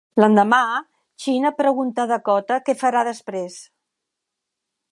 L'endemà, China pregunta a Dakota què farà després.